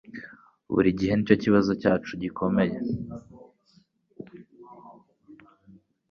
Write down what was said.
Buri gihe nicyo kibazo cyacu gikomeye